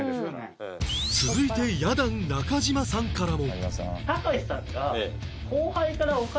続いてや団中嶋さんからも